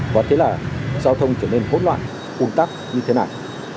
và thế là giao thông trở nên hỗn loạn un tắc như thế này